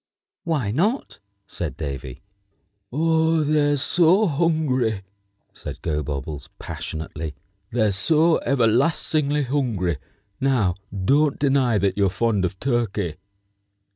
"Why not?" said Davy. "Oh, they're so hungry!" said Gobobbles, passionately. "They're so everlastingly hungry. Now don't deny that you're fond of turkey."